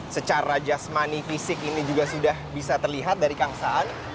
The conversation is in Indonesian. secara jasmani fisik ini juga sudah bisa terlihat dari kang saan